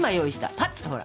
パッとほら！